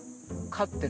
飼ってる？